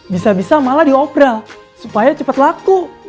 bisa bisa malah dioperal supaya cepet laku